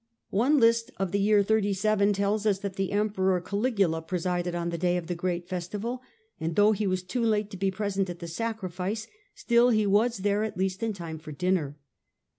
One list of the year 37 tells us that the Emperor Caligula presided on the day of the great festival, anc though he was too late to be present at the sacrifice still he was there at least in time for dinner.